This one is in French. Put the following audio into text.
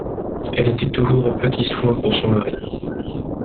Elle était toujours aux petits soins pour son mari.